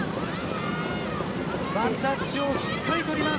ワンタッチをしっかり取ります。